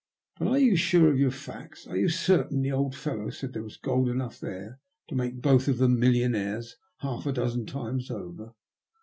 But are you sure of your facts? Are you certain the old fellow said there was gold enough there to make both of them millionaires half a dozen times over?"